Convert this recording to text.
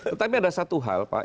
tetapi ada satu hal pak